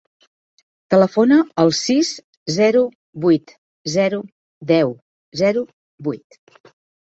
Telefona al sis, zero, vuit, zero, deu, zero, vuit.